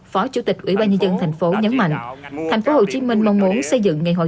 phó chủ tịch ủy ban nhân dân thành phố nhấn mạnh thành phố hồ chí minh mong muốn xây dựng ngày hội